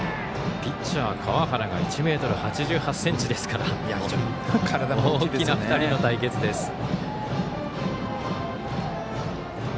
ピッチャー、川原が１ｍ８８ｃｍですから大きな２人の対決です。